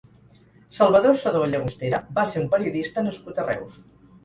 Salvador Sedó Llagostera va ser un periodista nascut a Reus.